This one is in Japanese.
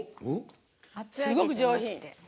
すごく上品。